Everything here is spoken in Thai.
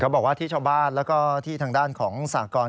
บอกว่าที่ชาวบ้านแล้วก็ที่ทางด้านของสากร